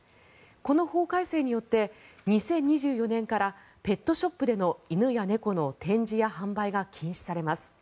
この法改正によって２０２４年からペットショップでの犬や猫の展示や販売が禁止されます。